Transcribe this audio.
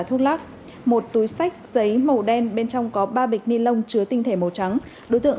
thuốc lắc một túi sách giấy màu đen bên trong có ba bịch ni lông chứa tinh thể màu trắng đối tượng